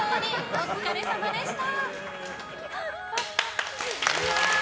お疲れさまでした！